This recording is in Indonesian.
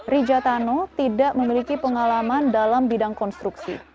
rijatano tidak memiliki pengalaman dalam bidang konstruksi